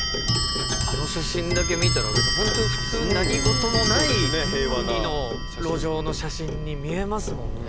あの写真だけ見たら別にホントに普通に何事もない国の路上の写真に見えますもんね。